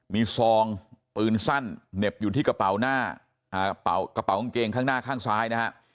มีซองปืนสั้นเหน็บอยู่ที่กระเป๋าหน้ากระเป๋ากางเกงข้างหน้าข้างซ้ายนะฮะ